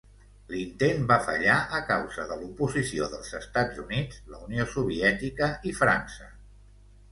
L'intent va fallar a causa de l'oposició dels Estats Units, la Unió Soviètica i França.